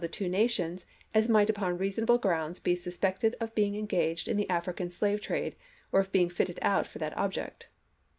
the two nations as might upon reasonable grounds be suspected of being engaged in the African slave trade or of being fitted out for that object.